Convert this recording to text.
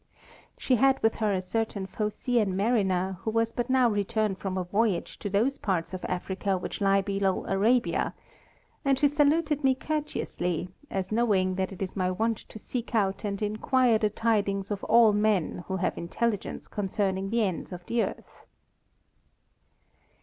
She had with her a certain Phocæan mariner, who was but now returned from a voyage to those parts of Africa which lie below Arabia; and she saluted me courteously, as knowing that it is my wont to seek out and inquire the tidings of all men who have intelligence concerning the ends of the earth.